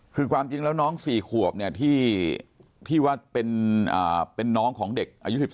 คือความจริงแล้วน้อง๔ขวบที่วัดเป็นน้องของเด็กอายุ๑๓